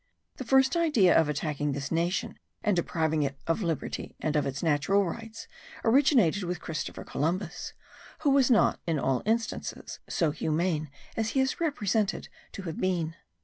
The first idea of attacking this nation and depriving it of liberty and of its natural rights originated with Christopher Columbus, who was not in all instances so humane as he is represented to have been.